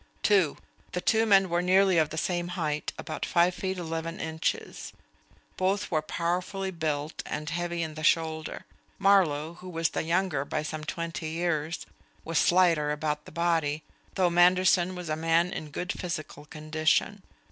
(2) The two men were nearly of the same height, about five feet, eleven inches; both were powerfully built and heavy in the shoulder; Marlowe, who was the younger by some twenty years, was slighter about the body, though Manderson was a man in good physical condition.